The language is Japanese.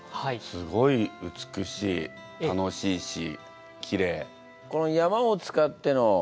すごい美しい楽しいしきれい。